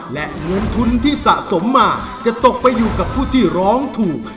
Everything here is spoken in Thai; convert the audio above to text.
และเงินทุนที่สะสมมาจะตกไปอยู่กับผู้ที่ร้องถูก